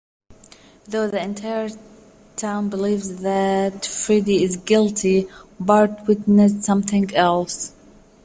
Though the entire town believes that Freddy is guilty, Bart witnessed something else.